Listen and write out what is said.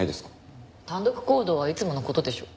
単独行動はいつもの事でしょ。